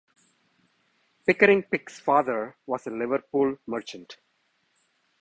Pickering Pick's father was a Liverpool merchant.